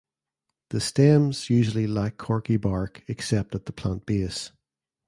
The stems usually lack corky bark except at the plant base.